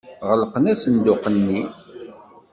Ɣelqen asenduq-nni.